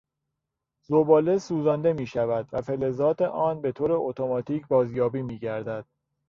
زباله سوزانده میشود و فلزات آن به طور اتوماتیک بازیابی میگردد.